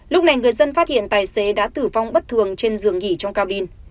lúc này người dân phát hiện tài xế đã tử vong bất thường trên giường nghỉ trong cabin